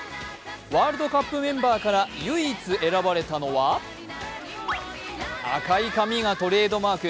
ワールドカップメンバーから唯一選ばれたのは赤い髪がトレードマーク。